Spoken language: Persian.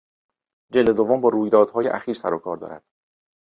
جلد دوم با رویدادهای اخیر سر و کار دارد.